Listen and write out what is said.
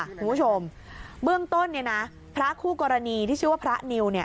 คุณผู้ชมเบื้องต้นเนี่ยนะพระคู่กรณีที่ชื่อว่าพระนิว